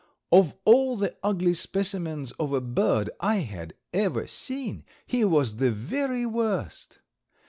Of all the ugly specimens of a bird I had ever seen he was the very worst.